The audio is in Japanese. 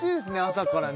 朝からね